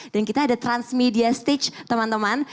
dan kita ada transmedia stage teman teman